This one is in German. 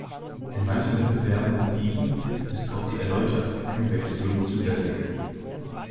In manchen Wettbewerben und Ligen ist auch die erneute Einwechslung zulässig.